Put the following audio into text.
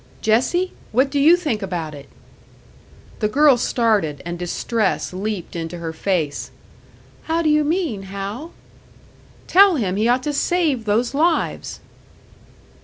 "Jessie! What do you think about it?" The girl started, and distress leaped into her face. "How do you mean, Hal?" "Tell him he ought to save those lives!"